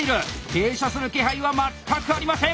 停車する気配は全くありません！